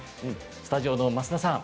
スタジオの増田さん